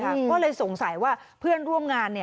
ก็เลยสงสัยว่าเพื่อนร่วมงาน